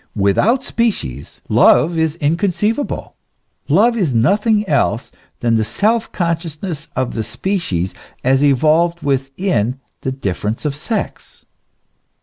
* Without species, love is inconceivable. Love is nothing else than the self consciousness of the species as evolved within the difference of sex.